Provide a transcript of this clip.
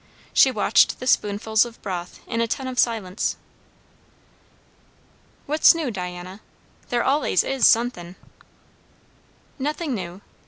She watched the spoonfuls of broth in attentive silence. "What's new, Diana? there allays is sun'thin'." "Nothing new.